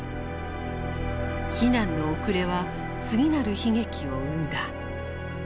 避難の遅れは次なる悲劇を生んだ。